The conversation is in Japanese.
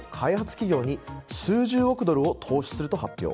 企業に数十億ドルを投資すると発表。